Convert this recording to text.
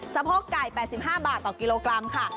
สะโพกไก่๘๕บาทต่อกิโลกรัมค่ะ